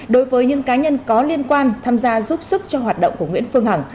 đối với những cá nhân có liên quan tham gia giúp sức cho hoạt động của nguyễn phương hằng